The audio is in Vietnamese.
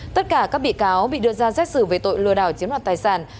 tất cả các bị cáo bị đưa ra xét xử về tội lừa đảo chiếm đoạt tài sản